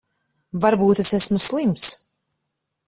Varbūt es esmu slims.